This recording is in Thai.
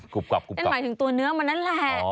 กรุบกรับกรุบกรับหมายถึงตัวเนื้อมันนั่นแหละ